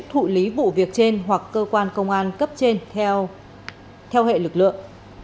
thụ lý vụ việc trên hoặc cơ quan công an cấp trên theo hệ lực lượng